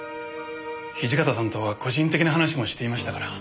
土方さんとは個人的な話もしていましたから。